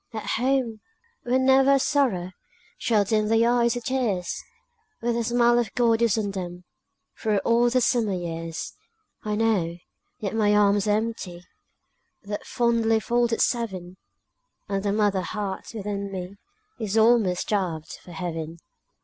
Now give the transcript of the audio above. At home, where never a sorrow Shall dim their eyes with tears! Where the smile of God is on them Through all the summer years! I know, yet my arms are empty, That fondly folded seven, And the mother heart within me Is almost starved for heaven.